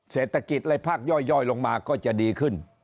เศรษฐกิจและภาคย่อยลงมาก็จะดีขึ้น